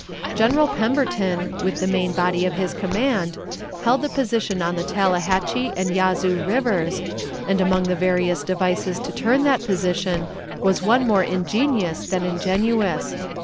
General Pemberton, with the main body of his command, held the position on the Tallahatchie and Yazoo Rivers, and among the various devices to turn that position was one more ingenious than ingenuous.